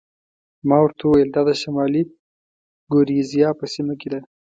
ما ورته وویل: دا د شمالي ګوریزیا په سیمه کې ده.